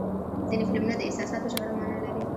ځینې فلمونه د احساساتو ژوره معنا لري.